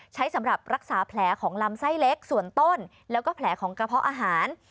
สำหรับรักษาแผลของลำไส้เล็กส่วนต้นแล้วก็แผลของกระเพาะอาหาร